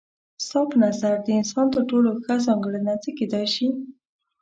ستا په نظر د انسان تر ټولو ښه ځانګړنه څه کيدای شي؟